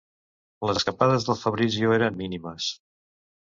Les escapades del Fabrizio eren mínimes.